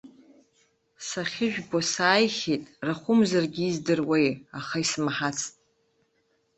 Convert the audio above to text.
Сахьыжәбо сааихьеит, рахәымзаргьы издыруазеи, аха исмаҳацт!